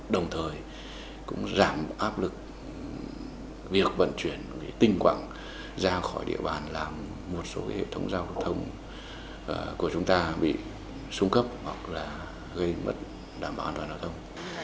đồng thời cũng giảm áp lực việc vận chuyển tinh quảng ra khỏi địa bàn làm một số hệ thống giao thông của chúng ta bị xuống cấp hoặc là gây mất đảm bảo an toàn giao thông